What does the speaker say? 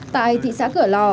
tại thị xã cửa lò